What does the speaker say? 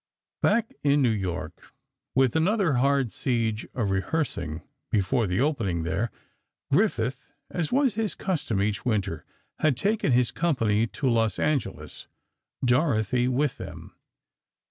Back in New York, with another hard siege of rehearsing, before the opening there. Griffith, as was his custom each winter, had taken his company to Los Angeles, Dorothy with them.